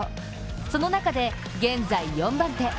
その中で、現在４番手。